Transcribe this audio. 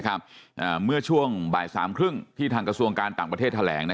เมื่อช่วงบ่าย๓๓๐ที่ทางกระทรวงการต่างประเทศแถลง